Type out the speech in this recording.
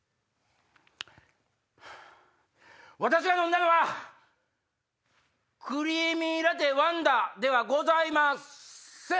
私が飲んだのはクリーミーラテ「ワンダ」ではございません。